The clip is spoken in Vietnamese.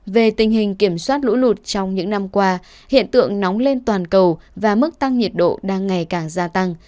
về tình hình kiểm soát lũ lụt trong những năm qua hiện tượng nóng lên toàn cầu và mức tăng nhiệt độ đang ngày càng gia tăng